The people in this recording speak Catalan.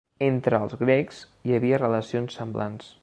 Entre els grecs hi havia relacions semblants.